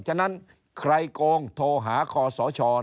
ฉะนั้นใครโกงโทรหาคอสช